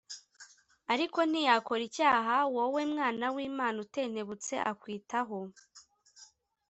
ariko ntiyakora icyaha wowe mwana w’imana utentebutse, akwitaho